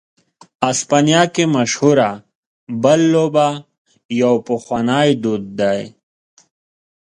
اسپانیا کې مشهوره "بل" لوبه یو پخوانی دود دی.